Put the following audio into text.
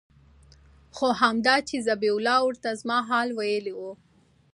خو همدا چې ذبيح الله ورته زما حال ويلى و.